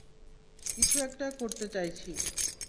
কিছু একটা করতে চাইছি।